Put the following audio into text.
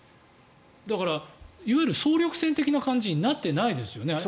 だから、いわゆる総力戦的な感じになってないですよね。